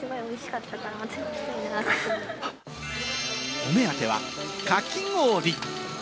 お目当ては、かき氷。